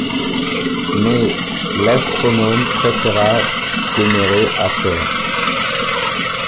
Mais l’astronome préféra demeurer à terre.